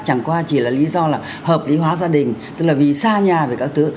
chẳng qua chỉ là lý do là hợp lý hóa gia đình tức là vì xa nhà với các thứ